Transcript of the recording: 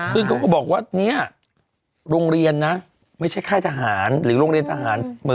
ซึ่งเขาก็บอกว่าเนี่ยโรงเรียนนะไม่ใช่ค่ายทหารหรือโรงเรียนทหาร